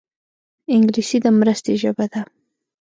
انګلیسي د مرستې ژبه ده